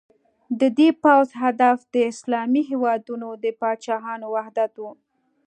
د دې پوځ هدف د اسلامي هېوادونو د پاچاهانو وحدت و.